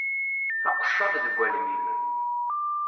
Aqeccaḍ deg wallen-im!